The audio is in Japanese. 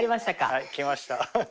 はい来ました。